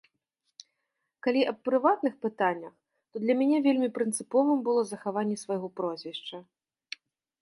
Калі аб прыватных пытаннях, то для мяне вельмі прынцыповым было захаванне свайго прозвішча.